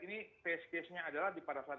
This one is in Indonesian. ini test case nya adalah di pada saat